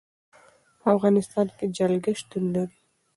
په افغانستان کې جلګه شتون لري.